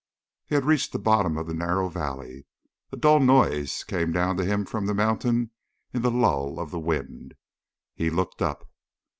He had reached the bottom of the narrow valley. A dull noise came down to him from the mountain in the lull of the wind. He looked up.